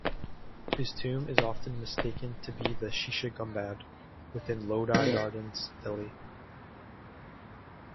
His tomb is often mistaken to be the "Shisha Gumbad" within Lodi Gardens, Delhi.